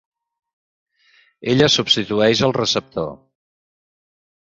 Ella substitueix el receptor.